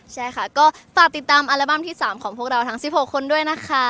ใช่ค่ะก็ฝากติดตามอัลบั้มที่๓ของพวกเราทั้ง๑๖คนด้วยนะคะ